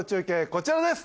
こちらです